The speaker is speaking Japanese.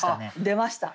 出ました。